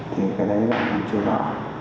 thì cái đấy là làm chưa rõ